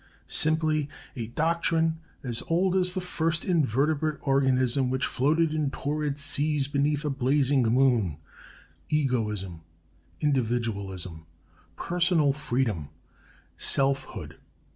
Simply a doctrine as old as the first invertebrate organism which floated in torrid seas beneath a blazing moon: Egoism, individualism, personal freedom, self hood.